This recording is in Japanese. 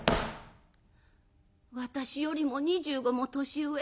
「私よりも２５も年上。